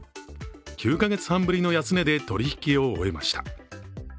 ９か月半ぶりの安値で取り引きを終えました。